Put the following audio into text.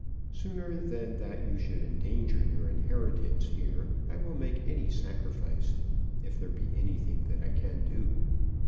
Sooner than that you should endanger your inheritance here I will make any sacrifice, if there be anything that I can do.